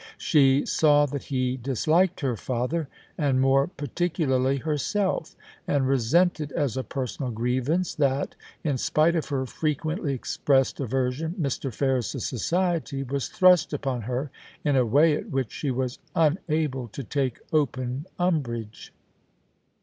She saw that he disliked her father, 94 POLICY AND PASSION. and more particularly herself; and resented as a personal grievance that, in spite of her frequently expressed aversion, Mr. Ferris's society was thrust upon her in a way at which she was unable to take open umbrage.